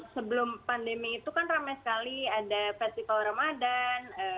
sebelum pandemi itu kan ramai sekali ada festival ramadan